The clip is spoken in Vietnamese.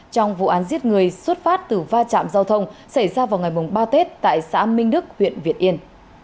trong vụ án giết người xuất phát từ va chạm giao thông xảy ra vào ngày ba tết tại xã minh đức huyện việt yên